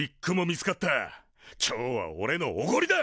今日はおれのおごりだ！